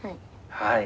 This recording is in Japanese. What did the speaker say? はい。